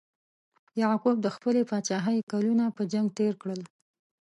یعقوب د خپلې پاچاهۍ کلونه په جنګ تیر کړل.